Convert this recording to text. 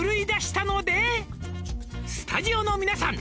「スタジオの皆さん